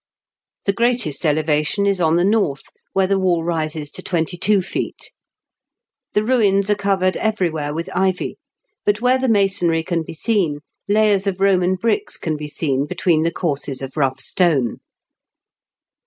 The greatest elevation is on the north, where the wall rises to twenty two feet. The ruins are covered everywhere with ivy, but where the masonry can be seen, layers of Eoman bricks can be seen between the courses of rough stone.